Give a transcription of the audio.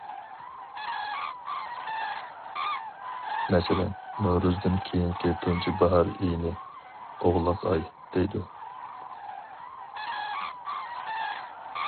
مەسىلەن، نورۇزدىن كېيىنكى تۇنجى باھار ئېيىنى‹‹ ئوغلاق ئاي›› دەيدۇ.